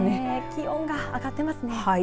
気温が上がってますね。